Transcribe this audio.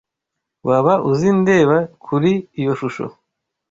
Waba uzi ndeba kuri iyo shusho?